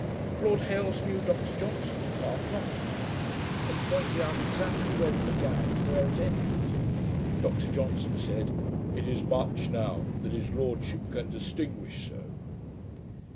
Lord Hailes knew Dr Johnson's part not to be mine, and pointed out exactly where it began, and where it ended. Dr Johnson said, 'It is much, now, that his lordship can distinguish so.'